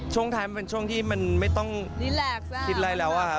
ช่วงท้ายมันเป็นช่วงที่มันไม่ต้องคิดอะไรแล้วอะครับ